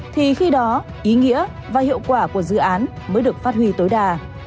thì khi đó ý nghĩa và hiệu quả của dự án mới được phát huy tối đa